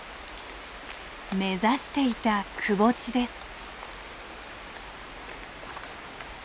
目指していたくぼ地です。